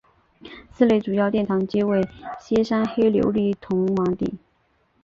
寺内主要殿堂皆为歇山黑琉璃筒瓦顶。